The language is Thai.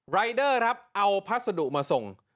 รายเดอร์ครับเอาพัสดุมาส่ง